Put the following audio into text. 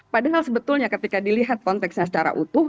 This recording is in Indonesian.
padahal sebetulnya ketika dilihat konteksnya secara utuh